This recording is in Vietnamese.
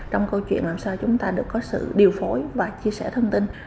trong câu chuyện làm sao chúng ta được có sự điều phối và chia sẻ thông tin